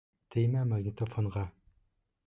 Теймә магнитофонға!